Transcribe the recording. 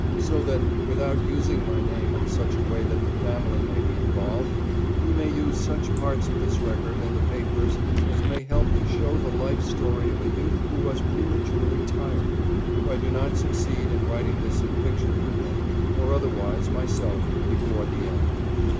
so that, without using my name in such a way that the family may be involved, he may use such parts of this record and the papers as may help to show the life story of a youth who was prematurely tired, if I do not succeed in writing this in fiction form or otherwise myself before the end.